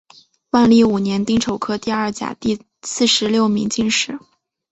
万历五年丁丑科第二甲第四十六名进士。